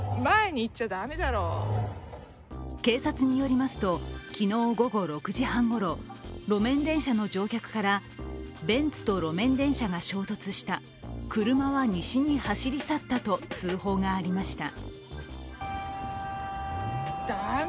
警察によりますと、昨日午後６時半ごろ路面電車の乗客から、ベンツと路面電車が衝突した、車は西に走り去ったと通報がありました。